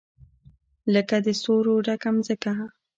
لکه د ستورو ډکه مځکه